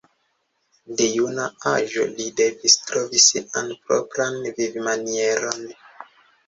De juna aĝo li devis trovi sian propran vivmanieron.